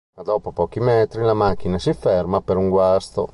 Ma dopo pochi metri la macchina si ferma per un guasto.